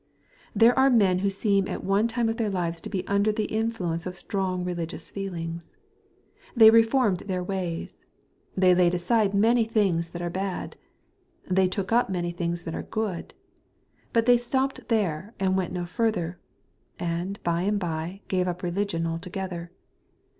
There are men who seemed at one time of their lives to be under the influence of strong religious feelings. • They reformed their ways. They laid aside many things that are bad. They took up many things that are good. But they stopped there, and went no further, and by and bye gave up religion altogether.